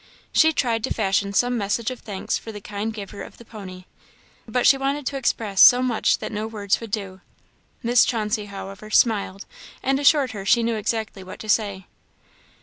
She tried to fashion some message of thanks for the kind giver of the pony; but she wanted to express so much that no words would do. Mrs. Chauncey, however, smiled, and assured her she knew exactly what to say.